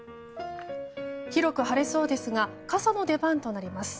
広く晴れそうですが傘の出番となります。